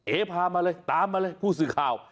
พามาเลยตามมาเลยผู้สื่อข่าว